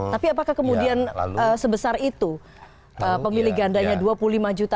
tapi apakah kemudian sebesar itu pemilih gandanya dua puluh lima juta